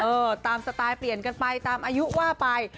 ตามสไตล์เปลี่ยนกันไปตามอายุว่าไป